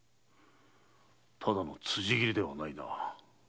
ただの辻斬りではないな。